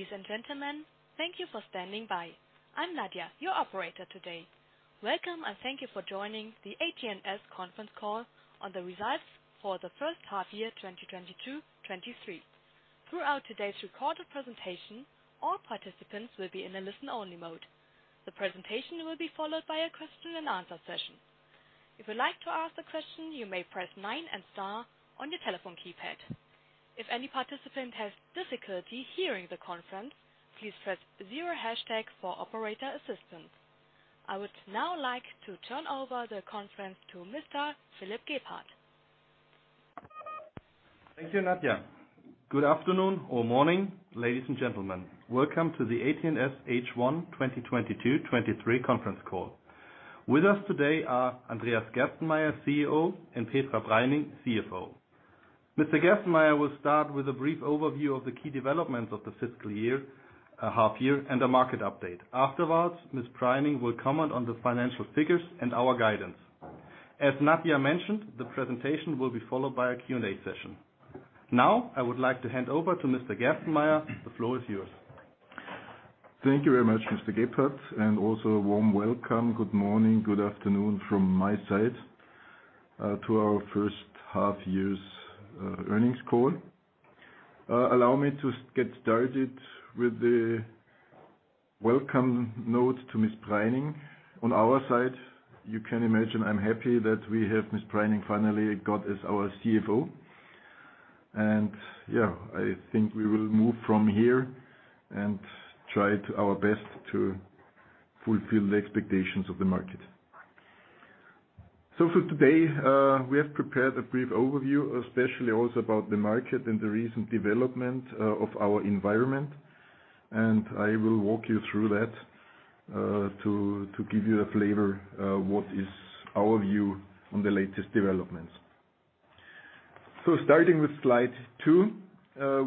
Ladies and gentlemen, thank you for standing by. I'm Nadia, your operator today. Welcome, and thank you for joining the AT&S Conference Call on the Results for the First Half-Year 2022-2023. Throughout today's recorded presentation, all participants will be in a listen-only mode. The presentation will be followed by a question and answer session. If you'd like to ask a question, you may press nine and star on your telephone keypad. If any participant has difficulty hearing the conference, please press zero hashtag for operator assistance. I would now like to turn over the conference to Mr. Philipp Gebhardt. Thank you, Nadia. Good afternoon or morning, ladies and gentlemen. Welcome to the AT&S H1 2022/2023 Conference Call. With us today are Andreas Gerstenmayer, and Petra Preining, CFO. Mr. Gerstenmayer will start with a brief overview of the key developments of the fiscal year, half year, and a market update. Afterwards, Ms. Preining will comment on the financial figures and our guidance. As Nadia mentioned, the presentation will be followed by a Q&A session. Now, I would like to hand over to Mr. Gerstenmayer. The floor is yours. Thank you very much, Mr. Gebhardt. Also a warm welcome, good morning, good afternoon from my side, to our first half-year's earnings call. Allow me to get started with the welcome note to Ms. Preining. On our side, you can imagine I'm happy that we have Ms. Preining finally got as our CFO. Yeah, I think we will move from here and try our best to fulfill the expectations of the market. For today, we have prepared a brief overview, especially also about the market and the recent development of our environment. I will walk you through that, to give you a flavor what is our view on the latest developments. Starting with slide two,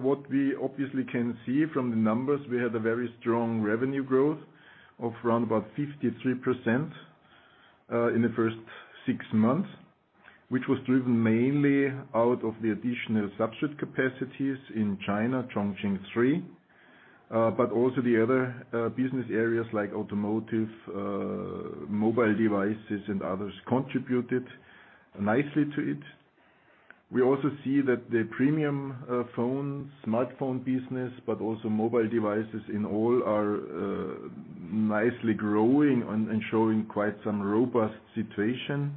what we obviously can see from the numbers, we had a very strong revenue growth of around about 53%, in the first six months, which was driven mainly out of the additional substrate capacities in China, Chongqing III. But also the other business areas like automotive, mobile devices and others contributed nicely to it. We also see that the premium phone, smartphone business, but also mobile devices in all are nicely growing and showing quite some robust situation.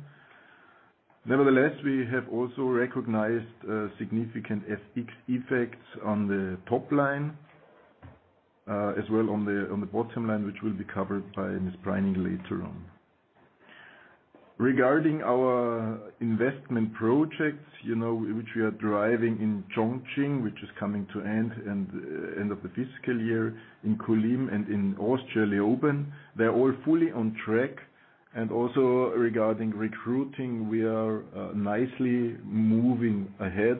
Nevertheless, we have also recognized significant FX effects on the top line, as well on the bottom line, which will be covered by Ms. Preining later on. Regarding our investment projects, you know, which we are driving in Chongqing, which is coming to an end at the end of the fiscal year in Kulim and in Austria, Leoben. They're all fully on track. Also regarding recruiting, we are nicely moving ahead.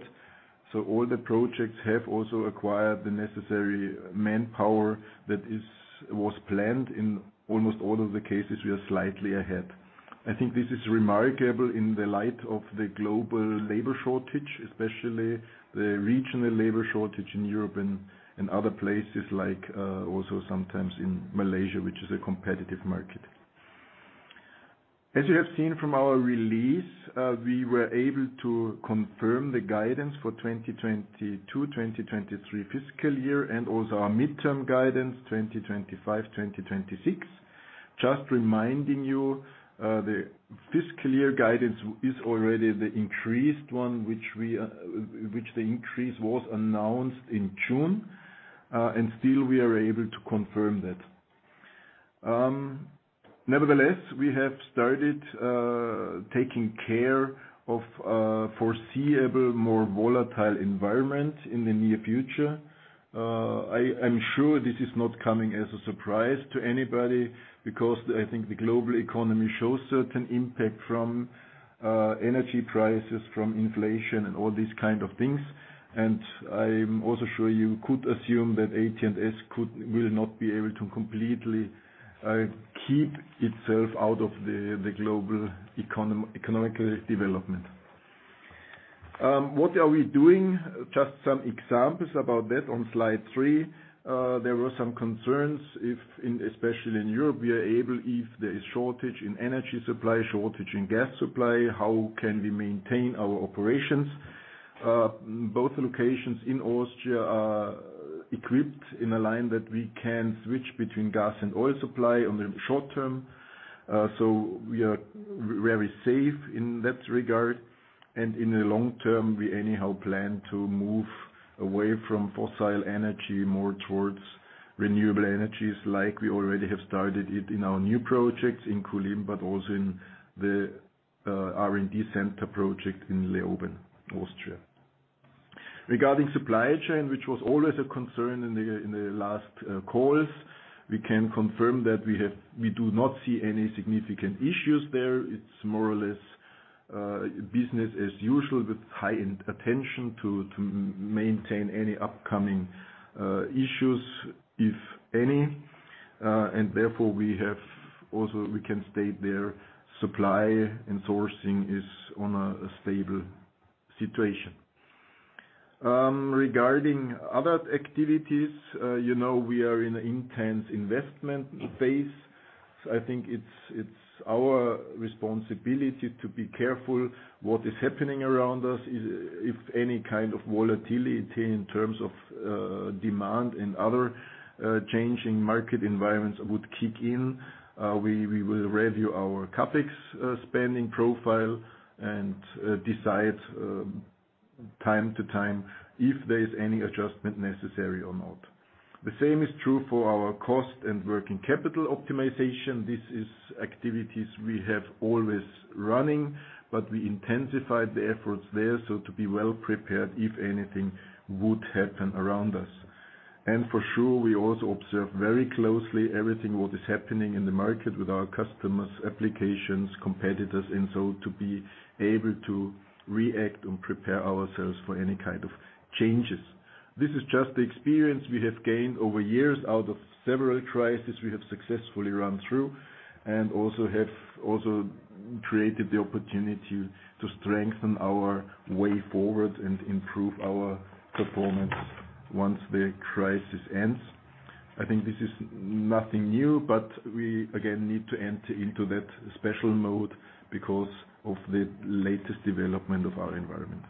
All the projects have also acquired the necessary manpower that was planned. In almost all of the cases, we are slightly ahead. I think this is remarkable in the light of the global labor shortage, especially the regional labor shortage in Europe and other places like also sometimes in Malaysia, which is a competitive market. As you have seen from our release, we were able to confirm the guidance for 2022, 2023 fiscal year and also our midterm guidance, 2025, 2026. Just reminding you, the fiscal year guidance is already the increased one, which the increase was announced in June, and still we are able to confirm that. Nevertheless, we have started taking care of foreseeable more volatile environment in the near future. I'm sure this is not coming as a surprise to anybody because I think the global economy shows certain impact from energy prices, from inflation and all these kind of things. I'm also sure you could assume that AT&S will not be able to completely keep itself out of the global economical development. What are we doing? Just some examples about that on slide three. There were some concerns if in, especially in Europe, we are able, if there is shortage in energy supply, shortage in gas supply, how can we maintain our operations? Both locations in Austria are equipped in a line that we can switch between gas and oil supply on the short term. We are very safe in that regard. In the long-term, we anyhow plan to move away from fossil energy, more towards renewable energies, like we already have started it in our new projects in Kulim, but also in the R&D center project in Leoben, Austria. Regarding supply chain, which was always a concern in the last calls, we can confirm that we do not see any significant issues there. It's more or less business as usual with heightened attention to maintain any upcoming issues, if any. Therefore we can state their supply and sourcing is on a stable path. Situation. Regarding other activities, you know, we are in an intense investment phase. I think it's our responsibility to be careful what is happening around us. If any kind of volatility in terms of demand and other changing market environments would kick in, we will review our CapEx spending profile and decide time to time if there is any adjustment necessary or not. The same is true for our cost and working capital optimization. This is activities we have always running, but we intensified the efforts there, so to be well-prepared if anything would happen around us. For sure, we also observe very closely everything that is happening in the market with our customers, applications, competitors, and so to be able to react and prepare ourselves for any kind of changes. This is just the experience we have gained over years out of several crises we have successfully run through, and also have created the opportunity to strengthen our way forward and improve our performance once the crisis ends. I think this is nothing new, but we again need to enter into that special mode because of the latest development of our environment.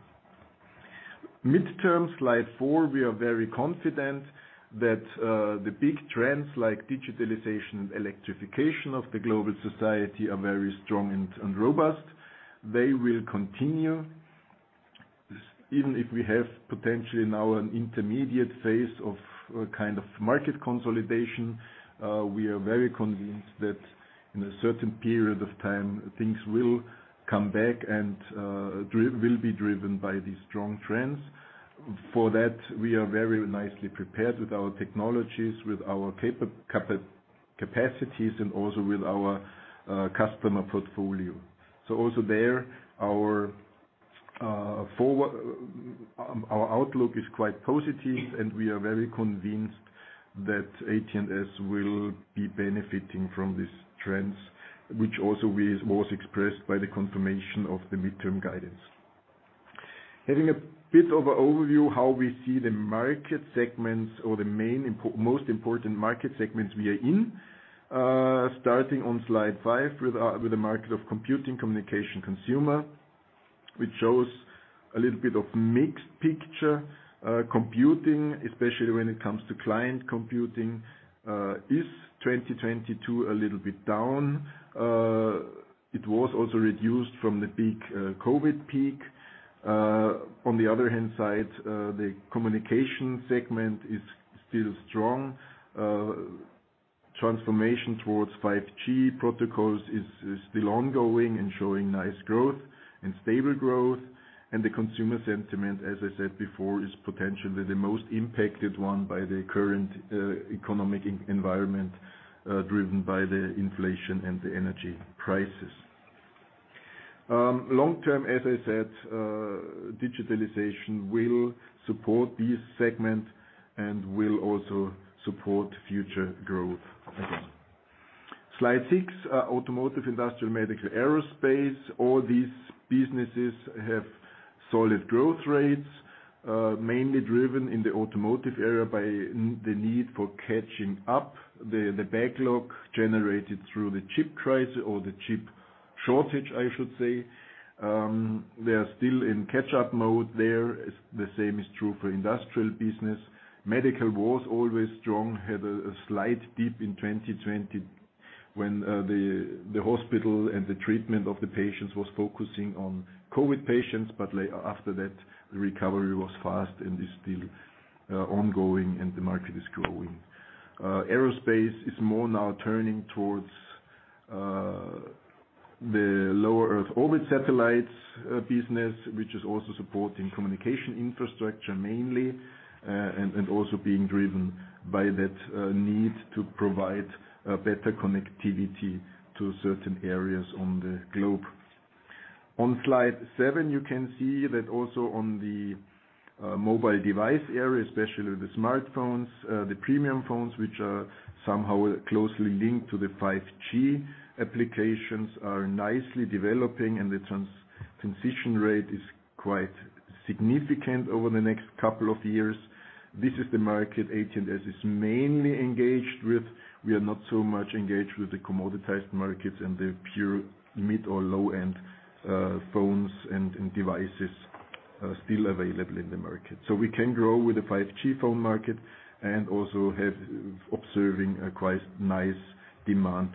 Midterm, slide four, we are very confident that the big trends like digitalization and electrification of the global society are very strong and robust. They will continue. Even if we have potentially now an intermediate phase of a kind of market consolidation, we are very convinced that in a certain period of time, things will come back and will be driven by these strong trends. For that, we are very nicely prepared with our technologies, with our capacities, and also with our customer portfolio. Also there, our outlook is quite positive, and we are very convinced that AT&S will be benefiting from these trends, which was expressed by the confirmation of the midterm guidance. Having a bit of an overview how we see the market segments or the main most important market segments we are in, starting on slide five with the market of computing, communication, consumer. Which shows a little bit of mixed picture. Computing, especially when it comes to client computing, is 2022 a little bit down. It was also reduced from the peak, COVID peak. On the other hand side, the communication segment is still strong. Transformation towards 5G protocols is still ongoing and showing nice growth and stable growth. The consumer sentiment, as I said before, is potentially the most impacted one by the current economic environment, driven by the inflation and the energy prices. Long term, as I said, digitalization will support this segment and will also support future growth as well. Slide six, automotive, industrial, medical, aerospace, all these businesses have solid growth rates, mainly driven in the automotive area by the need for catching up the backlog generated through the chip crisis or the chip shortage, I should say. They are still in catch-up mode there. As the same is true for industrial business. Medical was always strong, had a slight dip in 2020 when the hospital and the treatment of the patients was focusing on COVID patients, but after that, the recovery was fast, and is still ongoing, and the market is growing. Aerospace is more now turning towards the lower Earth orbit satellites business, which is also supporting communication infrastructure mainly, and also being driven by that need to provide better connectivity to certain areas on the globe. On slide seven, you can see that also on the mobile device area, especially the smartphones, the premium phones, which are somehow closely linked to the 5G applications, are nicely developing, and the transition rate is quite significant over the next couple of years. This is the market AT&S is mainly engaged with. We are not so much engaged with the commoditized markets and the pure mid or low-end phones and devices still available in the market. We can grow with the 5G phone market and also observing a quite nice demand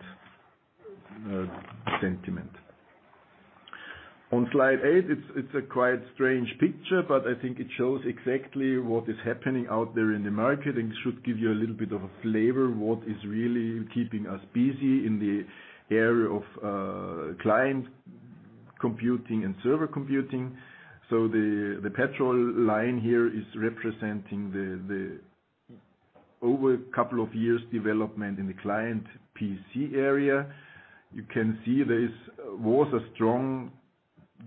sentiment. On slide eight, it's a quite strange picture, but I think it shows exactly what is happening out there in the market and should give you a little bit of a flavor what is really keeping us busy in the area of client computing and server computing. The [petrol] line here is representing the over a couple of years development in the client PC area. You can see there was a strong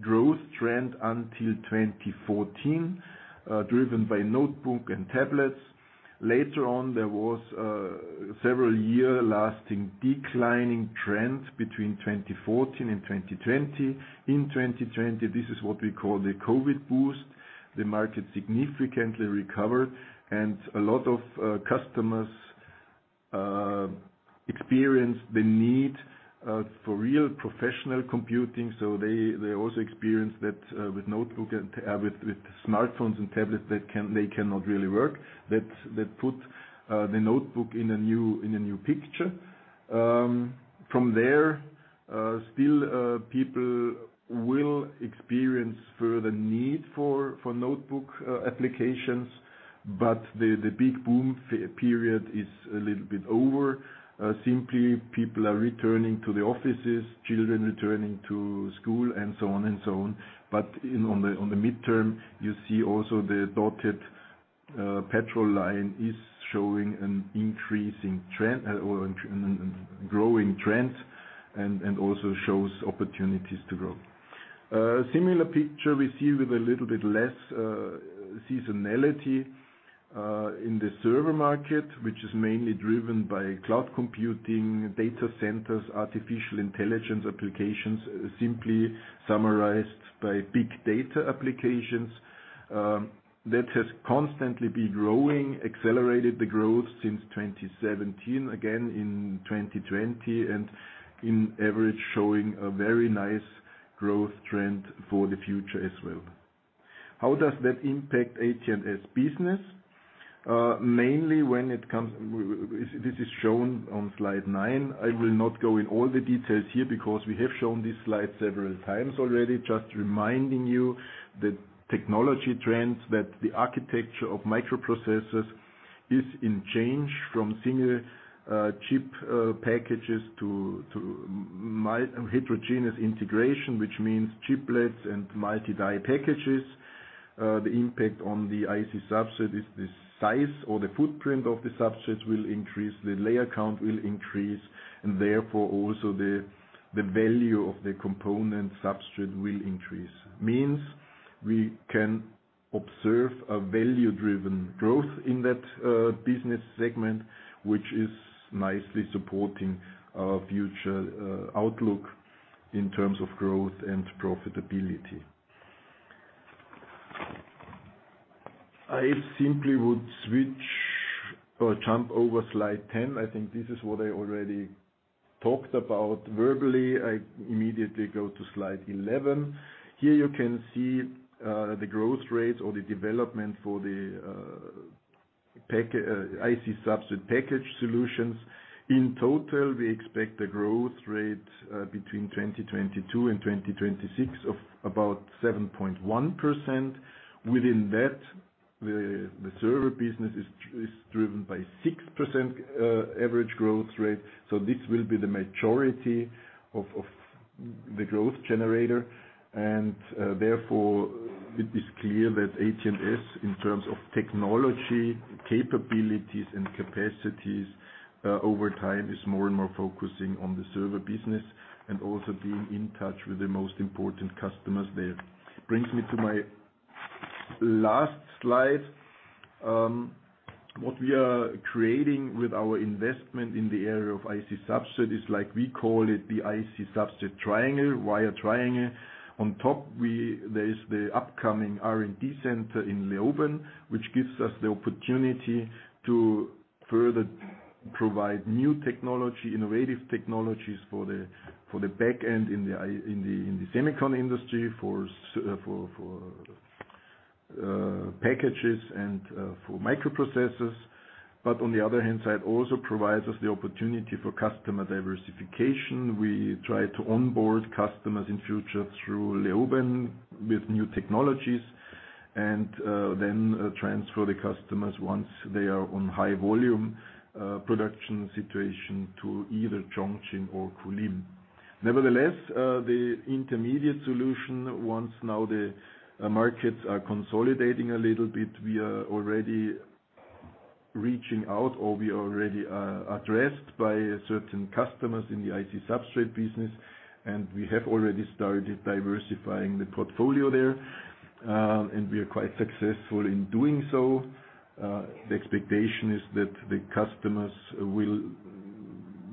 growth trend until 2014, driven by notebook and tablets. Later on, there was several year-lasting declining trends between 2014 and 2020. In 2020, this is what we call the COVID boost. The market significantly recovered and a lot of customers experienced the need for real professional computing. They also experienced that with notebook and with smartphones and tablets they cannot really work. That put the notebook in a new picture. From there, still people will experience further need for notebook applications, but the big boom period is a little bit over. Simply, people are returning to the offices, children returning to school, and so on and so on. On the midterm, you see also the dotted [petrol] line is showing an increasing trend or a growing trend and also shows opportunities to grow. Similar picture we see with a little bit less seasonality in the server market, which is mainly driven by cloud computing, data centers, artificial intelligence applications, simply summarized by big data applications. That has constantly been growing, accelerated the growth since 2017, again in 2020, and on average, showing a very nice growth trend for the future as well. How does that impact AT&S business? This is shown on slide nine. I will not go into all the details here because we have shown this slide several times already. Just reminding you the technology trends that the architecture of microprocessors is in change from single chip packages to heterogeneous integration, which means chiplets and multi-die packages. The impact on the IC substrate is the size or the footprint of the substrate will increase, the layer count will increase, and therefore also the value of the component substrate will increase. Means we can observe a value-driven growth in that business segment, which is nicely supporting our future outlook in terms of growth and profitability. I simply would switch or jump over slide 10. I think this is what I already talked about verbally. I immediately go to slide 11. Here you can see the growth rate or the development for the IC substrate package solutions. In total, we expect a growth rate between 2022 and 2026 of about 7.1%. Within that, the server business is driven by 6% average growth rate, so this will be the majority of the growth generator. Therefore it is clear that AT&S, in terms of technology, capabilities and capacities, over time is more and more focusing on the server business and also being in touch with the most important customers there. Brings me to my last slide. What we are creating with our investment in the area of IC substrate is like we call it the IC substrate triangle, wider triangle. On top there is the upcoming R&D center in Leoben, which gives us the opportunity to further provide new technology, innovative technologies for the back end in the semicon industry, for packages and for microprocessors. On the other hand side, also provides us the opportunity for customer diversification. We try to onboard customers in future through Leoben with new technologies and then transfer the customers once they are on high volume production situation to either Chongqing or Kulim. Nevertheless, the intermediate solution, once now the markets are consolidating a little bit, we are already reaching out or we are already addressed by certain customers in the IC substrate business, and we have already started diversifying the portfolio there and we are quite successful in doing so. The expectation is that the customers will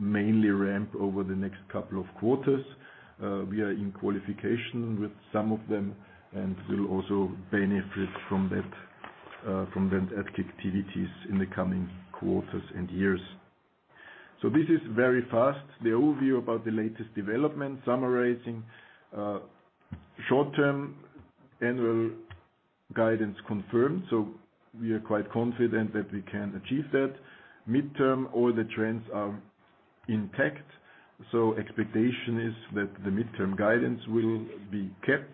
mainly ramp over the next couple of quarters. We are in qualification with some of them and will also benefit from that activities in the coming quarters and years. This is very fast. The overview about the latest development summarizing short-term annual guidance confirmed. We are quite confident that we can achieve that. Midterm, all the trends are intact. Expectation is that the midterm guidance will be kept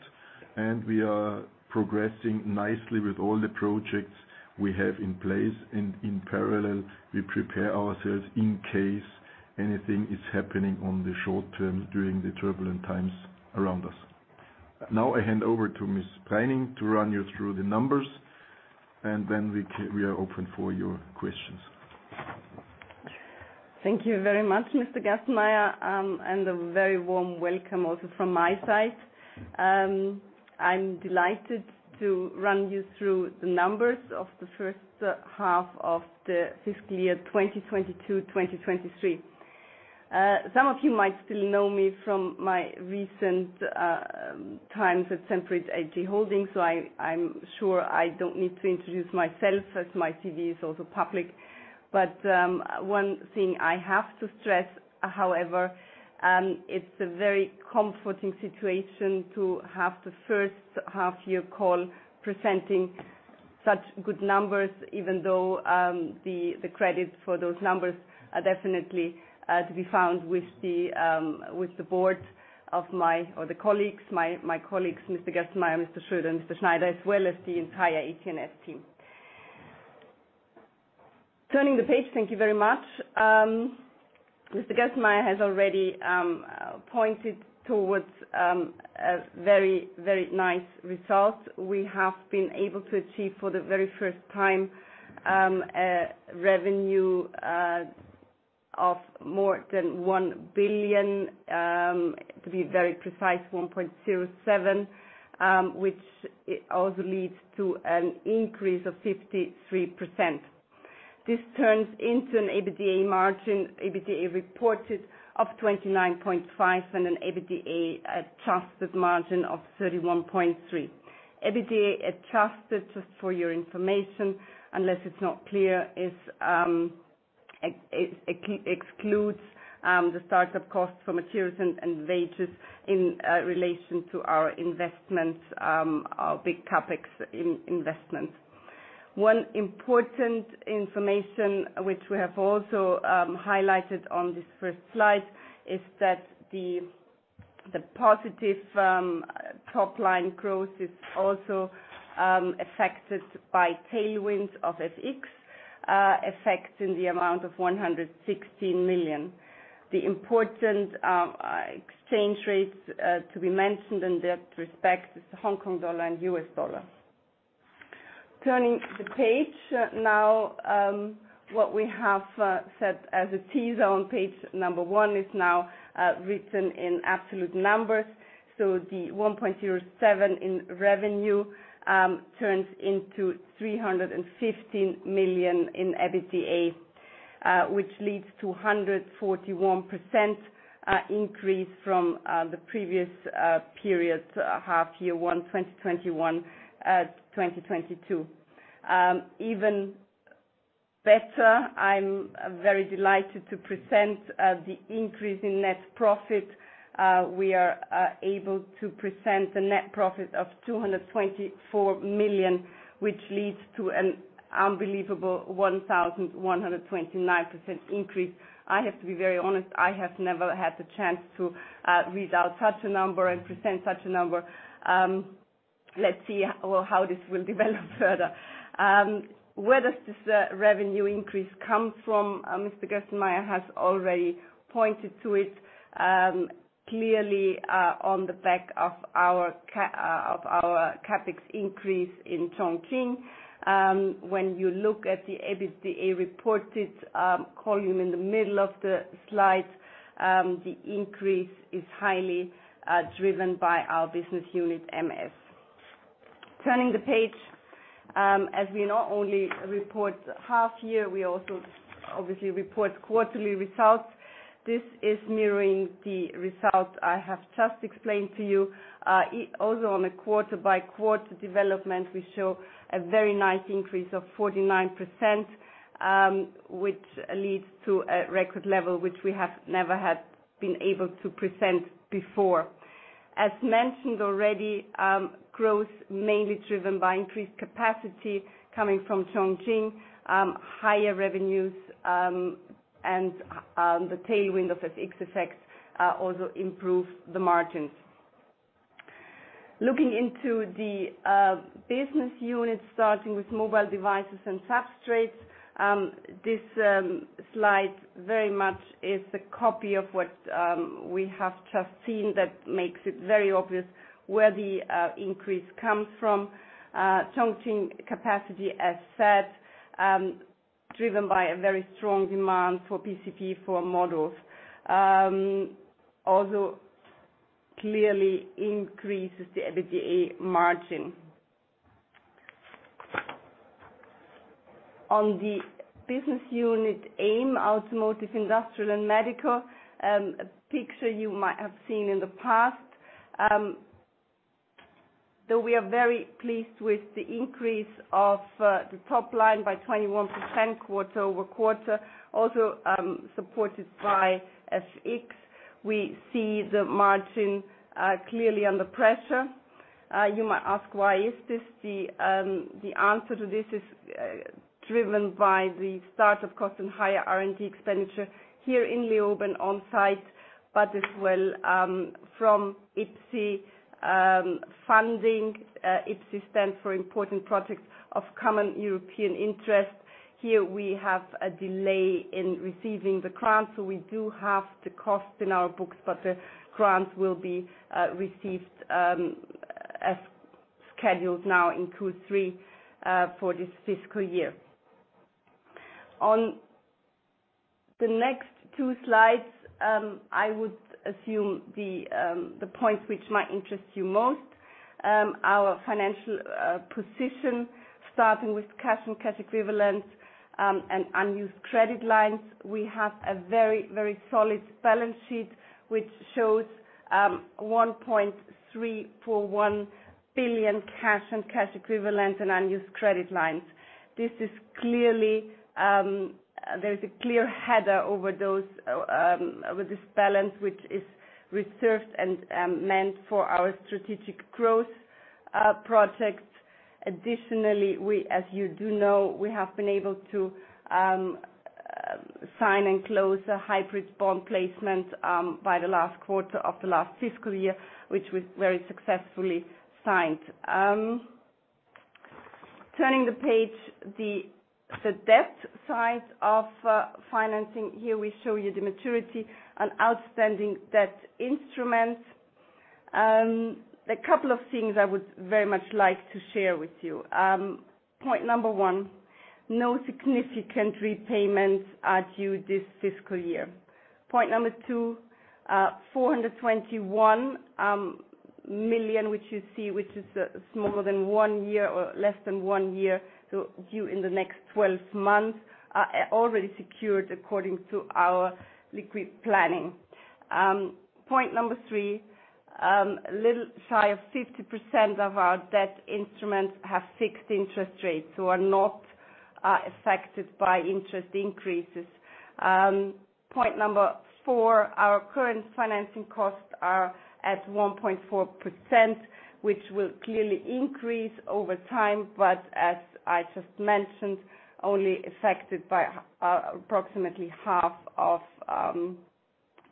and we are progressing nicely with all the projects we have in place. In parallel, we prepare ourselves in case anything is happening on the short term during the turbulent times around us. Now I hand over to Ms. Preining to run you through the numbers, and then we are open for your questions. Thank you very much, Mr. Gerstenmayer, and a very warm welcome also from my side. I'm delighted to run you through the numbers of the first half of the fiscal year 2022-2023. Some of you might still know me from my recent times at Semperit AG Holding, so I'm sure I don't need to introduce myself, as my CV is also public. One thing I have to stress, however, it's a very comforting situation to have the first half year call presenting such good numbers, even though the credit for those numbers is definitely to be found with the colleagues, my colleagues, Mr. Gerstenmayer, Mr. Schröder, and Mr. Schneider, as well as the entire AT&S team. Turning the page, thank you very much. Mr. Andreas Gerstenmayer has already pointed towards a very, very nice result. We have been able to achieve for the very first time a revenue of more than 1 billion, to be very precise, 1.07 billion, which it also leads to an increase of 53%. This turns into an EBITDA margin, EBITDA reported of 29.5% and an EBITDA adjusted margin of 31.3%. EBITDA adjusted, just for your information, unless it's not clear, is excludes the startup costs for materials and wages in relation to our investments, our big CapEx investment. One important information which we have also highlighted on this first slide is that the positive top line growth is also affected by tailwinds of FX effect in the amount of 116 million. The important exchange rates to be mentioned in that respect is the Hong Kong dollar and US dollar. Turning the page now, what we have said as a teaser on page number one is now written in absolute numbers. The 1.07 million in revenue turns into 315 million in EBITDA, which leads to 141% increase from the previous period, half-year one 2021, 2022. Even better, I'm very delighted to present the increase in net profit. We are able to present a net profit of 224 million, which leads to an unbelievable 1,129% increase. I have to be very honest, I have never had the chance to read out such a number and present such a number. Let's see how this will develop further. Where does this revenue increase come from? Mr. Gerstenmayer has already pointed to it clearly on the back of our CapEx increase in Chongqing. When you look at the EBITDA reported column in the middle of the slide, the increase is highly driven by our business unit MS. Turning the page, as we not only report half year, we also obviously report quarterly results. This is mirroring the results I have just explained to you. Also on a quarter-by-quarter development, we show a very nice increase of 49%, which leads to a record level which we have never had been able to present before. As mentioned already, growth mainly driven by increased capacity coming from Chongqing, higher revenues, and the tailwind of FX effects, also improve the margins. Looking into the business units, starting with Mobile Devices & Substrates, this slide very much is a copy of what we have just seen that makes it very obvious where the increase comes from. Chongqing capacity, as said, driven by a very strong demand for PCB for modules. Also clearly increases the EBITDA margin. On the business unit AIM, Automotive, Industrial, and Medical, a picture you might have seen in the past. Though we are very pleased with the increase of the top line by 21% quarter-over-quarter, also supported by FX. We see the margin clearly under pressure. You might ask, why is this? The answer to this is driven by the start of cost and higher R&D expenditure here in Leoben on site, but as well from IPCEI funding. IPCEI stands for Important Projects of Common European Interest. Here we have a delay in receiving the grant, so we do have the cost in our books, but the grant will be received as soon scheduled now in Q3 for this fiscal year. On the next two slides, I would assume the points which might interest you most, our financial position, starting with cash and cash equivalents and unused credit lines. We have a very solid balance sheet, which shows 1.341 million cash and cash equivalents in unused credit lines. This is clearly, there's a clear headroom over those with this balance, which is reserved and meant for our strategic growth projects. Additionally, we, as you do know, we have been able to sign and close a hybrid bond placement by the last quarter of the last fiscal year, which was very successfully signed. Turning the page, the debt side of financing. Here we show you the maturity on outstanding debt instruments. A couple of things I would very much like to share with you. Point number one, no significant repayments are due this fiscal year. Point number two, 421 million, which you see, which is smaller than one year or less than one year, so due in the next twelve months, are already secured according to our liquidity planning. Point number three, a little shy of 50% of our debt instruments have fixed interest rates so are not affected by interest increases. Point number four, our current financing costs are at 1.4%, which will clearly increase over time, but as I just mentioned, only affected by approximately half of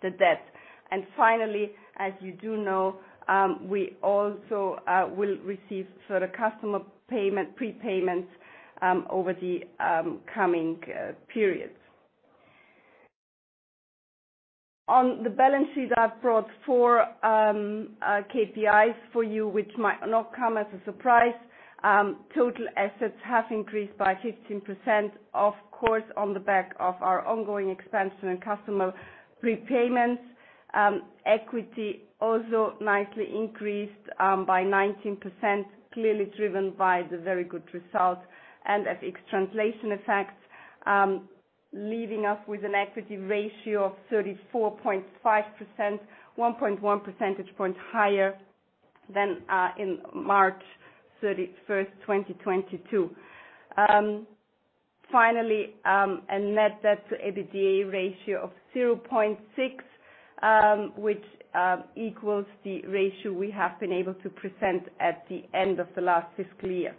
the debt. Finally, as you do know, we also will receive further customer payment, prepayments, over the coming periods. On the balance sheet, I've brought four KPIs for you, which might not come as a surprise. Total assets have increased by 15%, of course, on the back of our ongoing expansion in customer prepayments. Equity also nicely increased by 19%, clearly driven by the very good results and FX translation effects, leaving us with an equity ratio of 34.5%, 1.1 percentage points higher than in March 31st, 2022. Finally, a net debt to EBITDA ratio of 0.6, which equals the ratio we have been able to present at the end of the last fiscal year.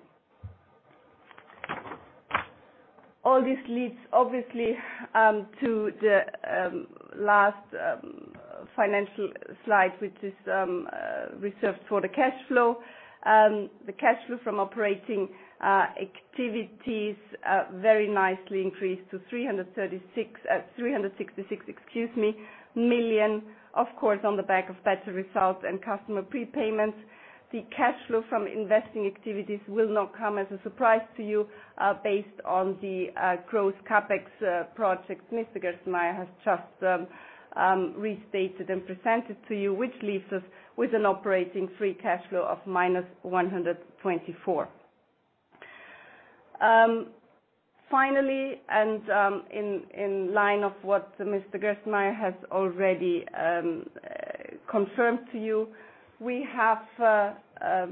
All this leads obviously to the last financial slide, which is reserved for the cash flow. The cash flow from operating activities very nicely increased to 366 million, of course, on the back of better results and customer prepayments. The cash flow from investing activities will not come as a surprise to you based on the gross CapEx projects Mr. Gersemayr has just restated and presented to you, which leaves us with an operating free cash flow of -124 million. Finally, in line with what Mr. Gersemayr has already confirmed to you, we have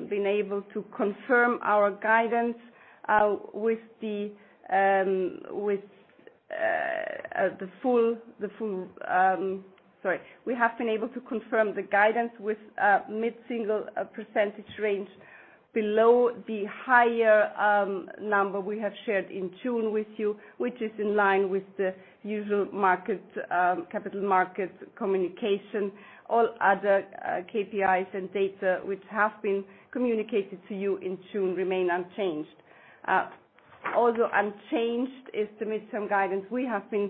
been able to confirm our guidance with the full. We have been able to confirm the guidance with a mid-single percentage range below the higher number we have shared in June with you, which is in line with the usual market capital markets communication. All other KPIs and data which have been communicated to you in June remain unchanged. Also unchanged is the mid-term guidance we have been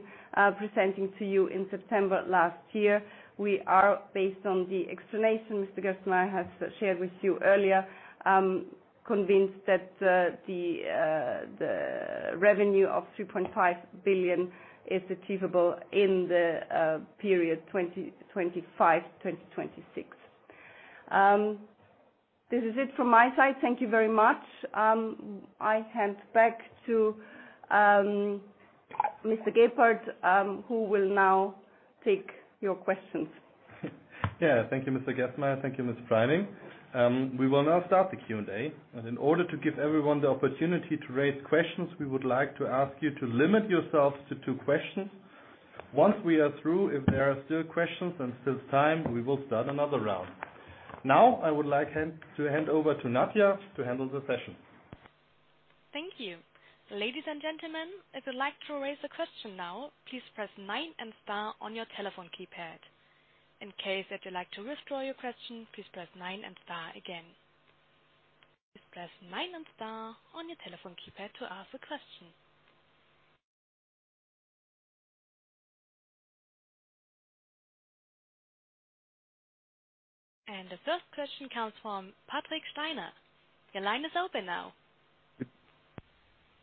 presenting to you in September last year. We are based on the explanation Mr. Gersemayr has shared with you earlier, convinced that the revenue of 3.5 billion is achievable in the period 2025-2026. This is it from my side. Thank you very much. I hand back to Mr. Gebhardt, who will now take your questions. Yeah. Thank you, Mr. Gerstenmayer. Thank you, Ms. Preining. We will now start the Q&A, and in order to give everyone the opportunity to raise questions, we would like to ask you to limit yourselves to two questions. Once we are through, if there are still questions and still time, we will start another round. Now I would like to hand over to Nadia to handle the session. Thank you. Ladies and gentlemen, if you'd like to raise a question now, please press nine and star on your telephone keypad. In case that you'd like to withdraw your question, please press nine and star again. Please press nine and star on your telephone keypad to ask a question. The first question comes from Patrick Steiner. Your line is open now.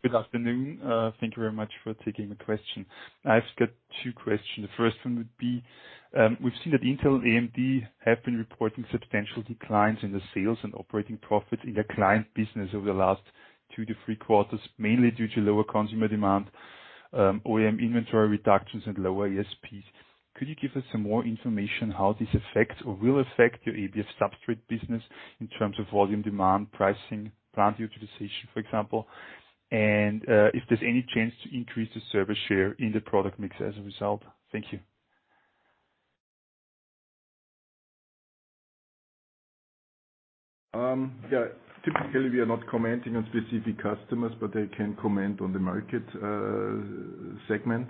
Good afternoon. Thank you very much for taking the question. I've got two questions. The first one would be, we've seen that Intel, AMD have been reporting substantial declines in the sales and operating profits in their client business over the last two-three quarters, mainly due to lower consumer demand, OEM inventory reductions and lower ASPs. Could you give us some more information how this affects or will affect your ABF substrate business in terms of volume demand, pricing, plant utilization, for example? And, if there's any chance to increase the server share in the product mix as a result? Thank you. Yeah, typically we are not commenting on specific customers, but I can comment on the market segment.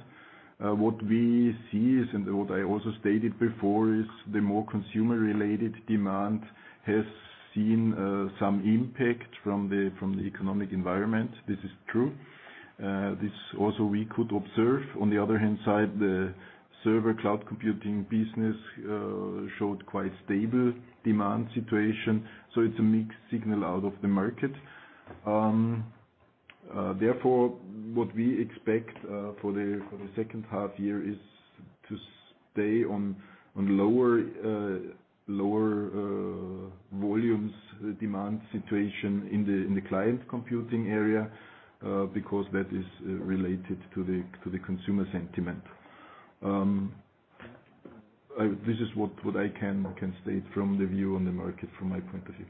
What we see is, and what I also stated before, is the more consumer-related demand has seen some impact from the economic environment. This is true. This also we could observe. On the other hand side, the server cloud computing business showed quite stable demand situation, so it's a mixed signal out of the market. Therefore what we expect for the second half year is to stay on lower volumes demand situation in the client computing area because that is related to the consumer sentiment. This is what I can state from the view on the market from my point of view.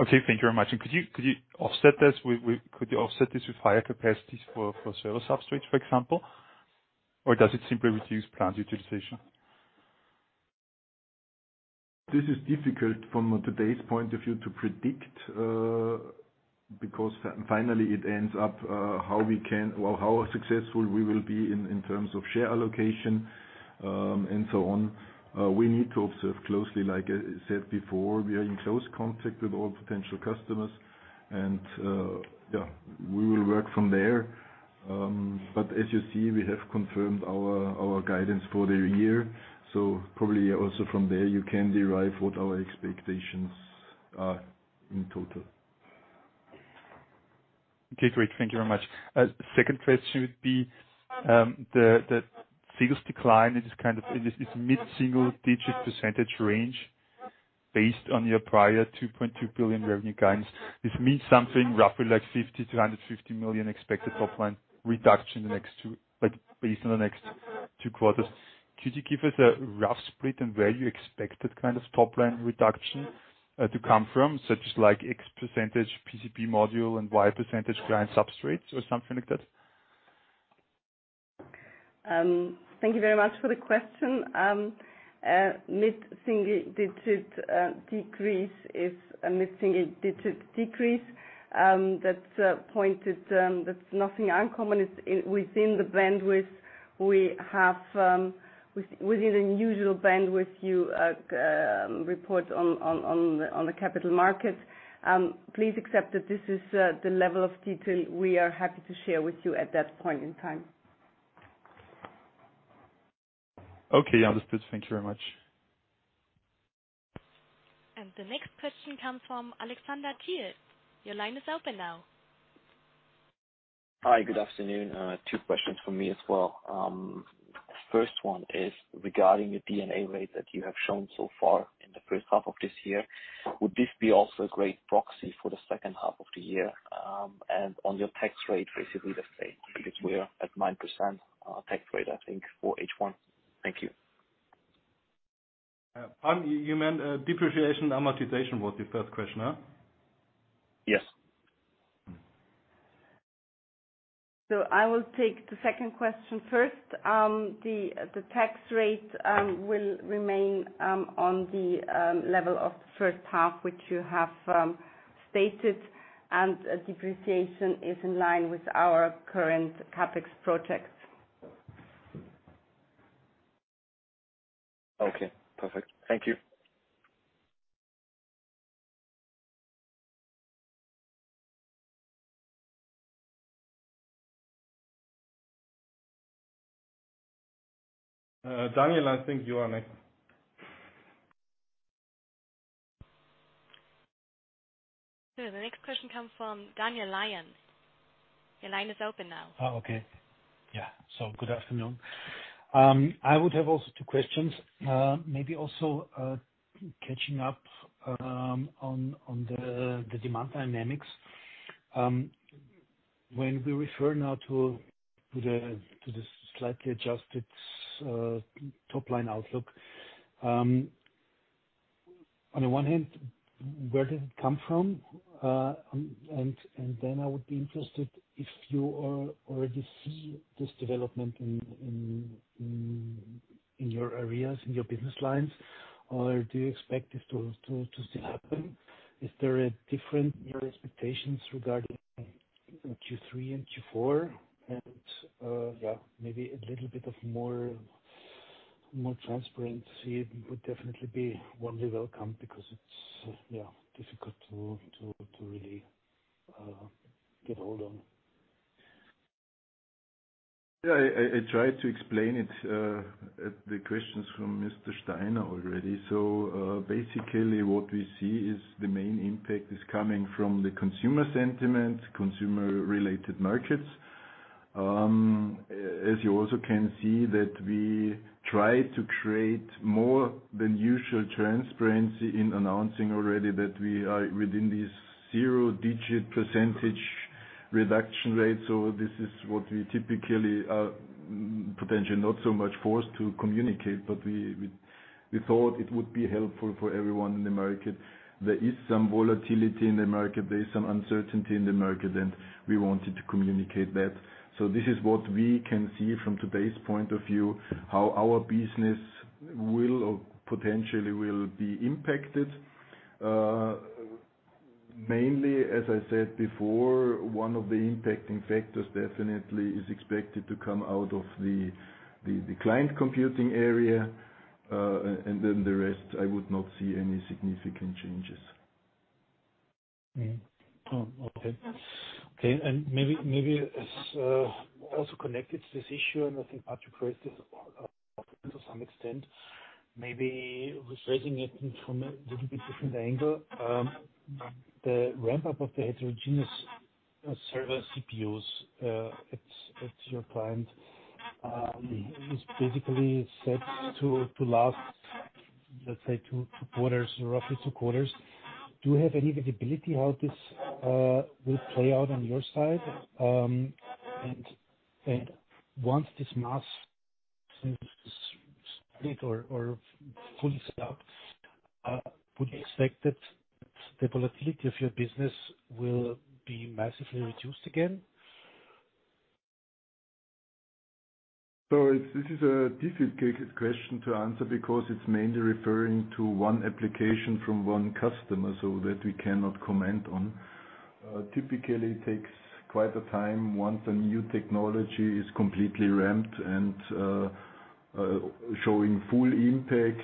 Okay, thank you very much. Could you offset this with higher capacities for server substrates, for example? Or does it simply reduce plant utilization? This is difficult from today's point of view to predict, because finally it ends up, how we can or how successful we will be in terms of share allocation, and so on. We need to observe closely. Like I said before, we are in close contact with all potential customers, and yeah, we will work from there. But as you see, we have confirmed our guidance for the year. Probably also from there you can derive what our expectations are in total. Okay, great. Thank you very much. Second question would be, the figures decline is kind of, it's mid-single-digit percentage range based on your prior 2.2 billion revenue guidance. This means something roughly like 50 million-150 million expected top-line reduction the next two quarters. Could you give us a rough split on where you expect that kind of top-line reduction to come from, such as X percentage PCB module and Y percentage [grant] substrates or something like that? Thank you very much for the question. A mid-single-digit decrease is anticipated, that's nothing uncommon. It's within the bandwidth we have, within the usual bandwidth you report on the capital markets. Please accept that this is the level of detail we are happy to share with you at that point in time. Okay. Understood. Thank you very much. The next question comes from Alexander [Gee]. Your line is open now. Hi. Good afternoon. Two questions from me as well. First one is regarding the D&A rate that you have shown so far in the first half of this year. Would this be also a great proxy for the second half of the year? On your tax rate, basically the same, because we are at 9% tax rate, I think, for H1. Thank you. You meant depreciation amortization was your first question, huh? Yes. Mm-hmm. I will take the second question first. The tax rate will remain on the level of the first half, which you have stated, and depreciation is in line with our current CapEx projects. Okay, perfect. Thank you. Daniel, I think you are next. The next question comes from Daniel Lion. Your line is open now. Oh, okay. Yeah. Good afternoon. I would have also two questions. Maybe also catching up on the demand dynamics. When we refer now to the slightly adjusted top-line outlook, on the one hand, where did it come from? Then I would be interested if you already see this development in your areas, in your business lines, or do you expect it to still happen? Is there a different year expectations regarding Q3 and Q4? Yeah, maybe a little bit more transparency would definitely be warmly welcome because it's difficult to really get a hold on. Yeah, I tried to explain it to the questions from Mr. Steiner already. Basically what we see is the main impact is coming from the consumer sentiment, consumer-related markets. As you also can see that we try to create more than usual transparency in announcing already that we are within this zero-digit percentage reduction rate. This is what we typically are potentially not so much forced to communicate, but we thought it would be helpful for everyone in the market. There is some volatility in the market, there is some uncertainty in the market, and we wanted to communicate that. This is what we can see from today's point of view, how our business will or potentially will be impacted. Mainly, as I said before, one of the impacting factors definitely is expected to come out of the client computing area, and then the rest, I would not see any significant changes. Maybe also connected to this issue, I think Patrick raised this to some extent, maybe rephrasing it from a little bit different angle. The ramp up of the heterogeneous server CPUs at your client is basically set to last, let's say, two quarters, roughly two quarters. Do you have any visibility how this will play out on your side? Once this has started or fully stopped, would you expect that the volatility of your business will be massively reduced again? This is a difficult question to answer because it's mainly referring to one application from one customer, so that we cannot comment on. Typically takes quite a time once a new technology is completely ramped and showing full impact.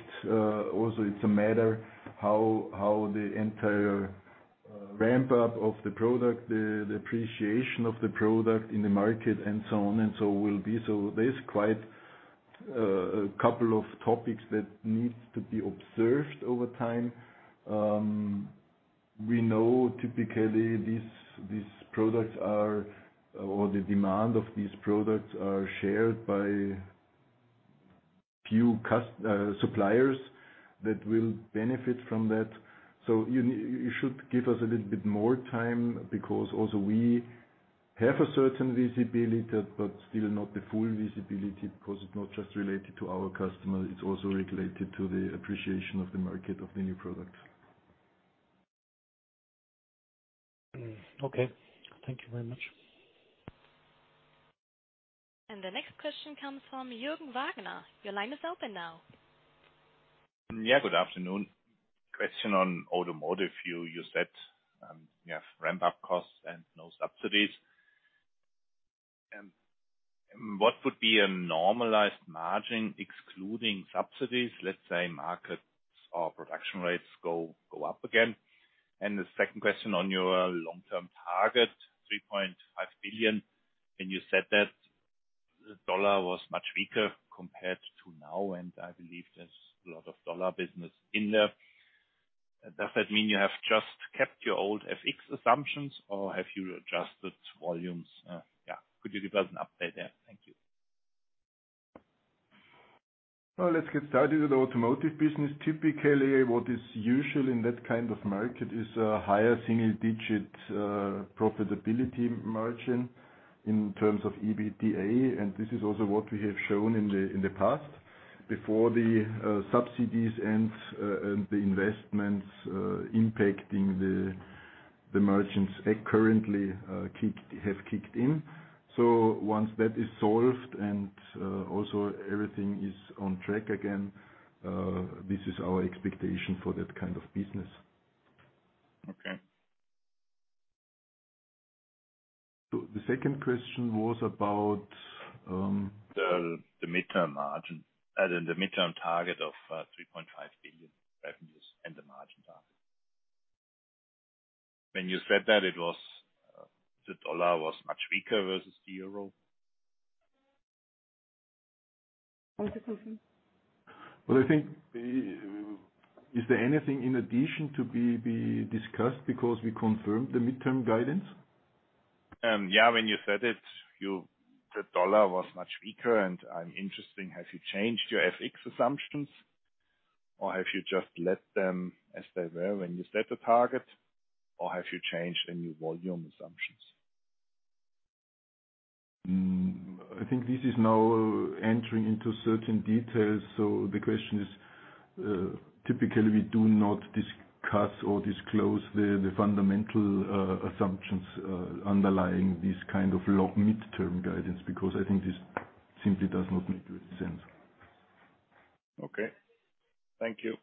Also it's a matter how the entire ramp up of the product, the appreciation of the product in the market and so on and so will be. There's quite a couple of topics that needs to be observed over time. We know typically these products are, or the demand of these products are shared by few suppliers that will benefit from that. You should give us a little bit more time because also we have a certain visibility, but still not the full visibility because it's not just related to our customer, it's also related to the appreciation of the market of the new products. Mm-hmm. Okay. Thank you very much. The next question comes from Jürgen Wagner. Your line is open now. Yeah, good afternoon. Question on automotive. You said you have ramp up costs and no subsidies. What would be a normalized margin excluding subsidies, let's say markets or production rates go up again? And the second question on your long-term target, 3.5 billion, and you said that the dollar was much weaker compared to now, and I believe there's a lot of dollar business in there. Does that mean you have just kept your old FX assumptions or have you adjusted volumes? Yeah. Could you give us an update there? Thank you. Well, let's get started with the automotive business. Typically, what is usual in that kind of market is a higher single-digit profitability margin in terms of EBITDA, and this is also what we have shown in the past. Before the subsidies and the investments impacting the margins currently have kicked in. Once that is solved and also everything is on track again, this is our expectation for that kind of business. Okay. The second question was about. The midterm margin. The midterm target of 3.5 billion revenues and the margin target. When you said that it was the dollar was much weaker versus the euro. Well, I think, is there anything in addition to be discussed because we confirmed the midterm guidance? Yeah, when you said it, the dollar was much weaker and I'm interested, have you changed your FX assumptions or have you just left them as they were when you set the target? Or have you changed any volume assumptions? I think this is now entering into certain details. The question is, typically we do not discuss or disclose the fundamental assumptions underlying this kind of long midterm guidance, because I think this simply does not make any sense. Okay. Thank you.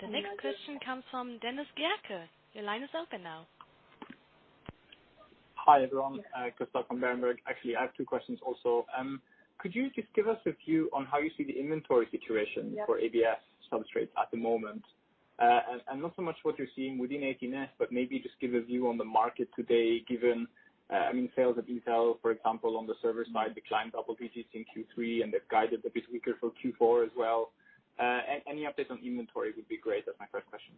The next question comes from Dennis Gehrke. Your line is open now. Hi, everyone. Gustav from Berenberg. Actually, I have two questions also. Could you just give us a view on how you see the inventory situation? Yeah. For ABF substrates at the moment? Not so much what you're seeing within AT&S, but maybe just give a view on the market today given, I mean, sales at Intel, for example, on the server side declined double digits in Q3, and they've guided a bit weaker for Q4 as well. Any updates on inventory would be great. That's my first question.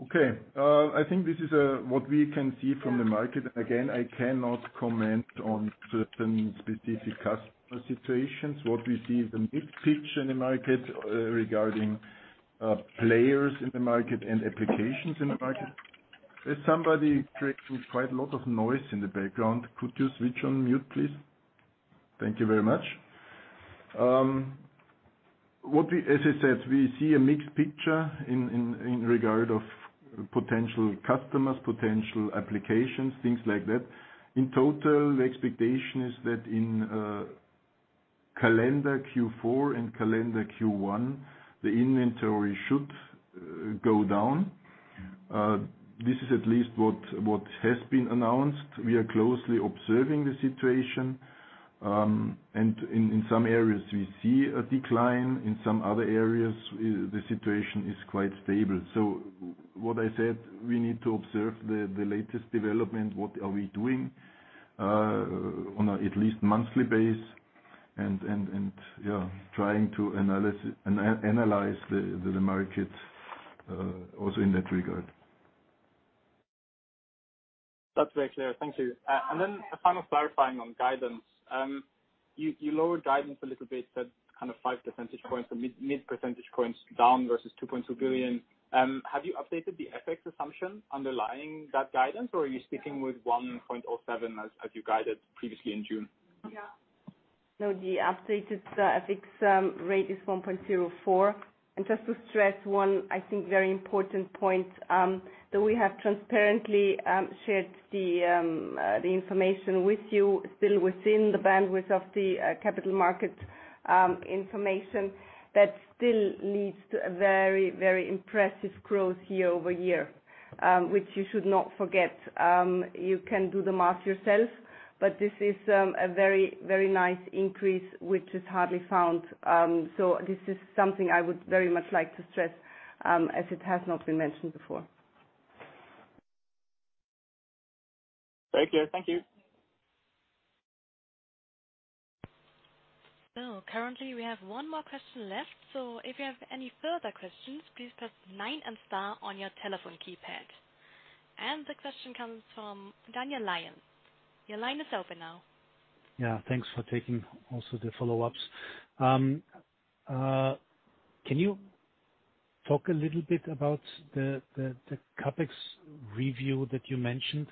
Yeah. Okay. I think this is what we can see from the market. Again, I cannot comment on certain specific customer situations. What we see is a mixed picture in the market, regarding players in the market and applications in the market. There's somebody creating quite a lot of noise in the background. Could you switch on mute, please? Thank you very much. As I said, we see a mixed picture in regard of potential customers, potential applications, things like that. In total, the expectation is that in calendar Q4 and calendar Q1, the inventory should go down. This is at least what has been announced. We are closely observing the situation, and in some areas we see a decline. In some other areas, the situation is quite stable. What I said, we need to observe the latest development, what we are doing on at least a monthly basis and trying to analyze the markets also in that regard. That's very clear. Thank you. A final clarifying on guidance. You lowered guidance a little bit. Said kind of five percentage points or mid percentage points down versus 2.2 billion. Have you updated the FX assumption underlying that guidance or are you sticking with 1.07 million as you guided previously in June? Yeah. No, the updated FX rate is 1.04 million. Just to stress one, I think, very important point that we have transparently shared the information with you still within the bandwidth of the capital market information that still leads to a very, very impressive growth year-over-year, which you should not forget. You can do the math yourself, but this is a very, very nice increase, which is hardly found. This is something I would very much like to stress as it has not been mentioned before. Thank you. Thank you. Thank you. Currently, we have one more question left. If you have any further questions, please press nine and star on your telephone keypad. The question comes from Daniel Lion. Your line is open now. Yeah, thanks for taking also the follow-ups. Can you talk a little bit about the CapEx review that you mentioned?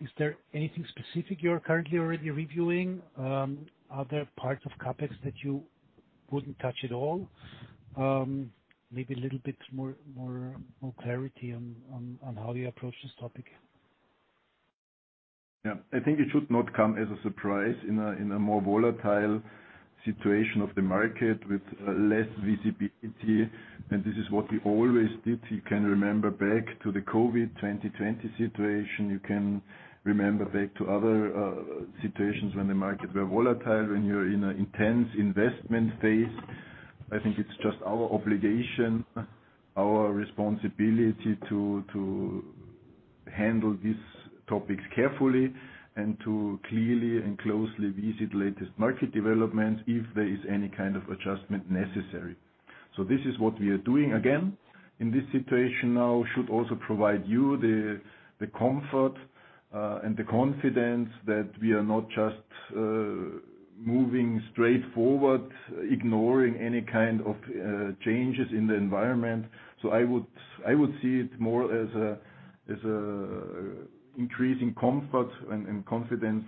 Is there anything specific you're currently already reviewing? Are there parts of CapEx that you wouldn't touch at all? Maybe a little bit more clarity on how you approach this topic. Yeah. I think it should not come as a surprise in a more volatile situation of the market with less visibility. This is what we always did. You can remember back to the COVID 2020 situation. You can remember back to other situations when the market were volatile, when you are in an intense investment phase. I think it is just our obligation, our responsibility to handle these topics carefully and to clearly and closely revisit latest market developments if there is any kind of adjustment necessary. This is what we are doing. Again, in this situation now should also provide you the comfort and the confidence that we are not just moving straight forward, ignoring any kind of changes in the environment. I would see it more as an increasing comfort and confidence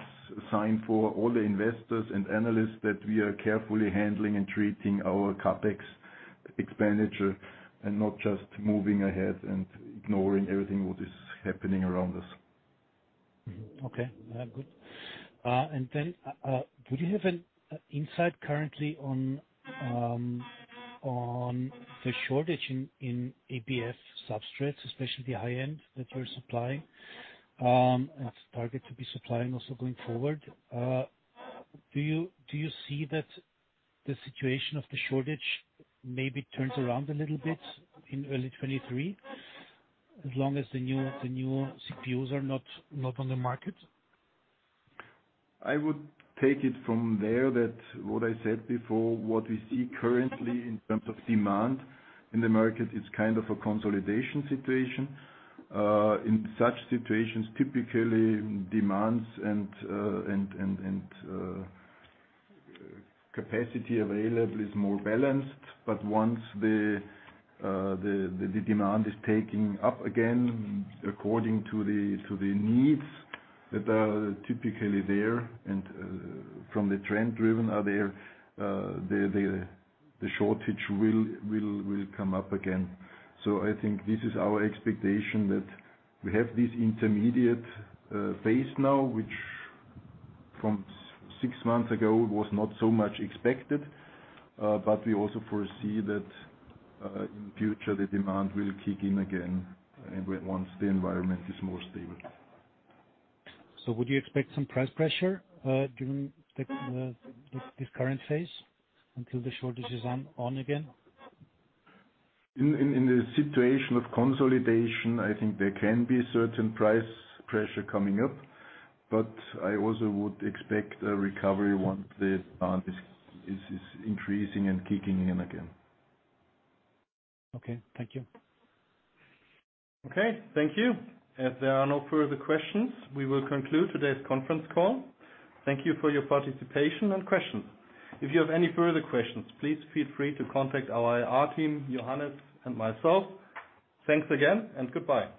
sign for all the investors and analysts that we are carefully handling and treating our CapEx expenditure and not just moving ahead and ignoring everything what is happening around us. Do you have an insight currently on the shortage in ABF substrates, especially the high-end that we're supplying and target to be supplying also going forward? Do you see that the situation of the shortage maybe turns around a little bit in early 2023, as long as the newer CPUs are not on the market? I would take it from there that what I said before, what we see currently in terms of demand in the market is kind of a consolidation situation. In such situations, typically demands and capacity available is more balanced. Once the demand is picking up again according to the needs that are typically there and from the trend-driven are there, the shortage will come up again. I think this is our expectation, that we have this intermediate phase now, which from six months ago was not so much expected. We also foresee that, in future the demand will kick in again and once the environment is more stable. Would you expect some price pressure during this current phase until the shortage is on again? In a situation of consolidation, I think there can be certain price pressure coming up, but I also would expect a recovery once the demand is increasing and kicking in again. Okay. Thank you. Okay. Thank you. As there are no further questions, we will conclude today's conference call. Thank you for your participation and questions. If you have any further questions, please feel free to contact our IR team, Johannes, and myself. Thanks again and goodbye.